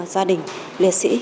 gia đình liệt sĩ